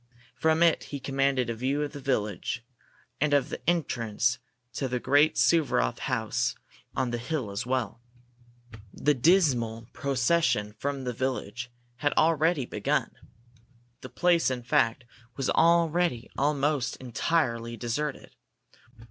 From it he commanded a view of the village, and of the entrance to the great Suvaroff house on the hill as well. The dismal procession from the village had already begun. The place, in fact, was already almost entirely deserted.